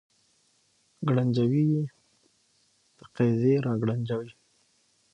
ګړنجونې د قیزې را ګړنجوي